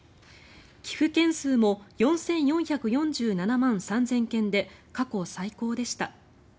寄付件数も４４４７万３０００件で過去最高でした。